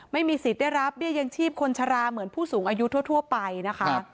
ไม่มีสิทธิ์ได้รับเบี้ยยังชีพคนชะลาเหมือนผู้สูงอายุทั่วไปนะคะ